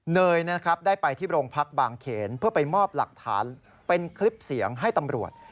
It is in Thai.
เนยนะครับได้ไปที่โรงพักบางเขนเพื่อไปมอบหลักฐานเป็นคลิปเสียงให้ตำรวจ